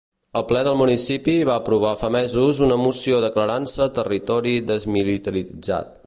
El ple del municipi va aprovar fa mesos una moció declarant-se “territori desmilitaritzat”.